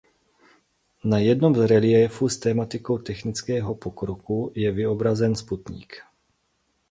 Na jednom z reliéfů s tematikou technického pokroku je vyobrazen Sputnik.